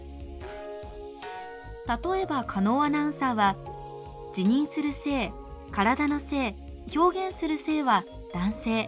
例えば狩野アナウンサーは自認する性からだの性表現する性は男性。